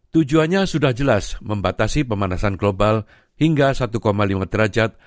tujuannya sudah jelas membatasi pemanasan global hingga satu lima derajat